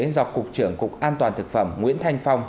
do cục trưởng cục an toàn thực phẩm nguyễn thanh phong